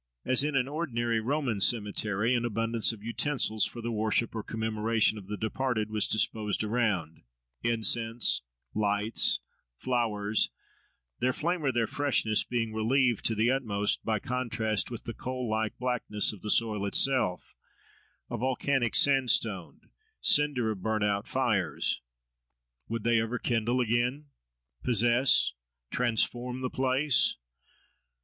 As in an ordinary Roman cemetery, an abundance of utensils for the worship or commemoration of the departed was disposed around—incense, lights, flowers, their flame or their freshness being relieved to the utmost by contrast with the coal like blackness of the soil itself, a volcanic sandstone, cinder of burnt out fires. Would they ever kindle again?—possess, transform, the place?